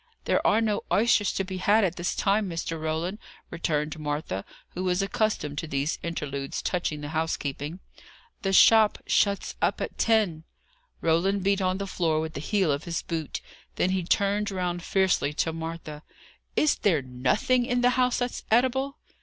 "There are no oysters to be had at this time, Mr. Roland," returned Martha, who was accustomed to these interludes touching the housekeeping. "The shop shuts up at ten." Roland beat on the floor with the heel of his boot. Then he turned round fiercely to Martha. "Is there nothing in the house that's eatable?"